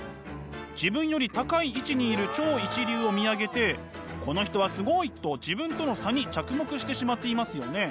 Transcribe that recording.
自分より高い位置にいる「超一流」を見上げて「この人はすごい！」と自分との差に着目してしまっていますよね。